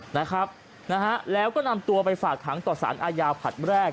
นะครับแล้วก็นำตัวไปฝากทั้งต่อศาลอายาวผัดแรก